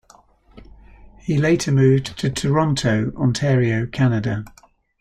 He later moved to Toronto, Ontario, Canada.